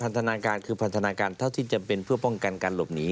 ธนาการคือพันธนาการเท่าที่จะเป็นเพื่อป้องกันการหลบหนี